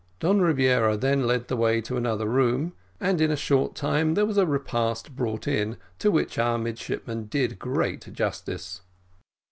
Don Rebiera then led the way to another room, and in a short time there was a repast brought in, to which our midshipmen did great justice.